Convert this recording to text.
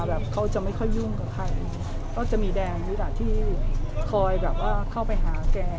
แบบเขาจะไม่ค่อยยุ่งกับใครก็จะมีแดงนี่แหละที่คอยแบบว่าเข้าไปหาแก